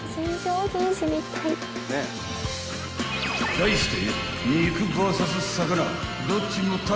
［題して］